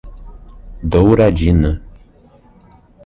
Douradina